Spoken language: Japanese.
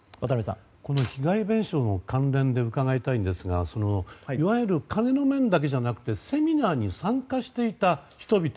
被害弁償の関連で伺いたいんですがいわゆる金の面だけじゃなくてセミナーに参加していた人々。